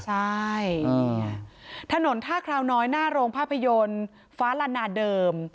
ใช่นี่ไงถนนท่าคราวน้อยหน้าโรงภาพยนตร์ฟ้าลานาเดิม